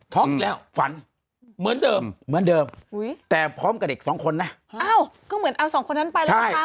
ท้องเหรอเหมือนเดิมแต่พร้อมกับเด็กสองคนนะเอ้าก็เสมอคุณผมก็สองคนไป